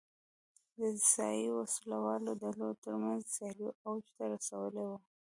د ځايي وسله والو ډلو ترمنځ سیالیو اوج ته رسولې وه.